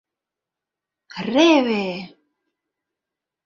Реве!